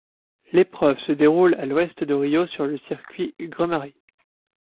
L’épreuve se déroule à l’ouest de Rio sur le circuit de Grumari.